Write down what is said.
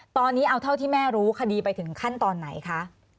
ตอนนี้เอาเท่าที่แม่รู้คดีไปถึงขั้นตอนไหนคะ